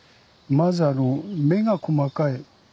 まずあの目が細かい。